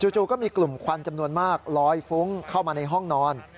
จู่ก็มีกลุ่มควันจำนวนมากลอยฟุ้งเข้ามาในห้องนอน